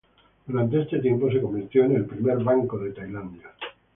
Durante este tiempo se convirtió en el primer banco de Tailandia.